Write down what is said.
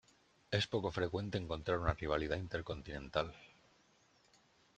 Es poco frecuente encontrar una rivalidad intercontinental.